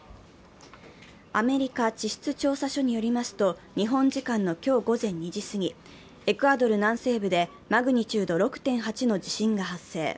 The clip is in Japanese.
アメリカ地質調査所によりますと、日本時間の今日午前２時過ぎ、エクアドル南西部でマグニチュード６．８の地震が発生。